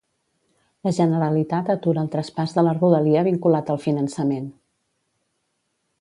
La Generalitat atura el traspàs de la Rodalia vinculat al finançament.